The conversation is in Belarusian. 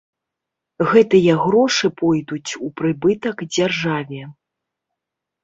Гэтыя грошы пойдуць у прыбытак дзяржаве.